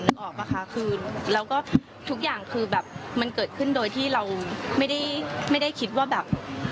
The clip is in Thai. นึกออกป่ะคะคือแล้วก็ทุกอย่างคือแบบมันเกิดขึ้นโดยที่เราไม่ได้ไม่ได้คิดว่าแบบ